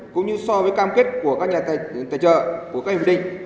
cũng như so với cam kết của các nhà tài trợ của các hiệp định